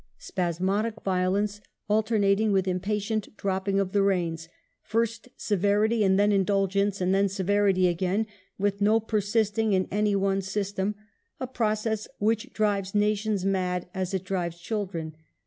" Spasmodic violence alternating with impatient dropping of the reins ; first severity and then indulgence, and then severity again, with no persisting in any one system — a process which drives nations mad as it drives chil dren."